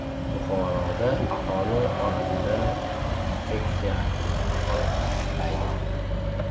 Buxoroda aholi orasida infeksiya aniqlanish holatlari ko‘paydi